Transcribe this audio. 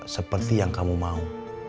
seperti yang kamu mau